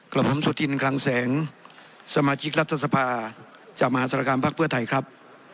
กับผมสุธินคลังแสงสมาชิกรัฐสภาจากมหาศาลกรรมภักดิ์เพื่อไทยครับ